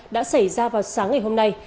đã xảy ra vào sáng ngày hôm nay